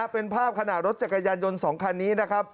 เป็นภาพขณะรถจักรยานยนต์๒คันนี้นะครับ